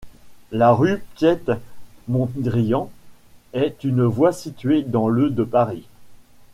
La rue Piet-Mondrian est une voie située dans le de Paris.